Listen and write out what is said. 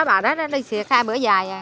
bà đó đi xuyệt hai bữa dài